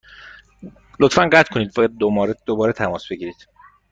لطفا قطع کنید و دوباره تماس بگیرید.